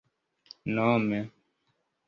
nome